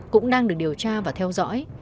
cũng đang được điều tra và theo dõi